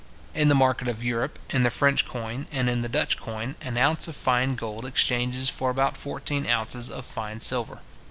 In the market of Europe, in the French coin and in the Dutch coin, an ounce of fine gold exchanges for about fourteen ounces of fine silver.